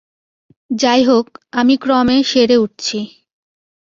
যাই হোক, আমি ক্রমে সেরে উঠছি।